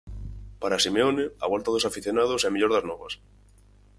Para Simeone, a volta dos afeccionados é a mellor das novas.